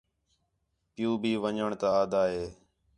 پِیؤ بھی ون٘ڄݨ تا آہدا ہِے